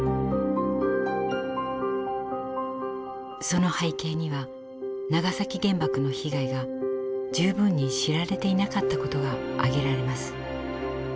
その背景には長崎原爆の被害が十分に知られていなかったことが挙げられます。